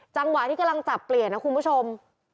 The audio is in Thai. จังหวะที่กำลังจับเปลี่ยนนะคุณผู้ชม